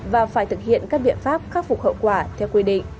và phải thực hiện các biện pháp khắc phục hậu quả theo quy định